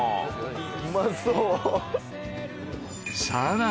うまそう！